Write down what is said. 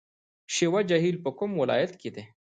شیوا جهیل په کوم ولایت کې دی؟